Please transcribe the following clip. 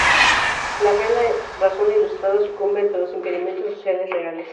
La fe en la razón ilustrada sucumbe ante los impedimentos sociales reales.